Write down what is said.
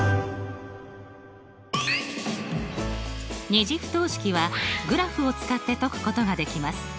２次不等式はグラフを使って解くことができます。